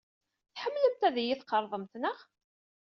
Tḥemmlemt ad iyi-tqerḍemt, naɣ?